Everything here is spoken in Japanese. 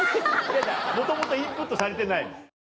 もともとインプットされてないの。